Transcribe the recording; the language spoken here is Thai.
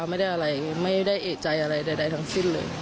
ไม่ได้อะไรไม่ได้เอกใจอะไรใดทั้งสิ้นเลย